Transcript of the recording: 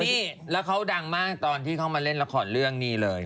นี่แล้วเขาดังมากตอนที่เขามาเล่นละครเรื่องนี้เลย